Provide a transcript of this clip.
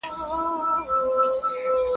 o يوڅه انا زړه وه ، يو څه توره تېره وه.